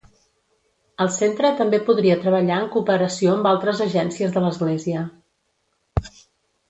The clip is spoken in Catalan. El centre també podria treballar en cooperació amb altres agències de l'Església.